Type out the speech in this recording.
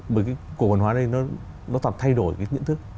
bởi cái cổ quần hóa này nó tập thay đổi cái nhận thức